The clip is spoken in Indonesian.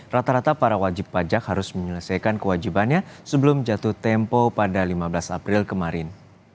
rata rata para wajib pajak harus menyelesaikan kewajibannya sebelum jatuh tempo pada lima belas april kemarin